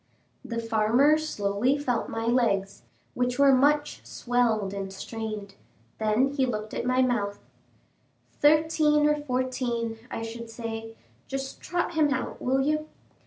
The farmer slowly felt my legs, which were much swelled and strained; then he looked at my mouth. "Thirteen or fourteen, I should say; just trot him out, will you?"